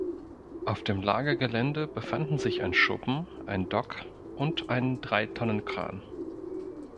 Auf dem Lagergelände befanden sich ein Schuppen, ein Dock und ein Dreitonnenkran.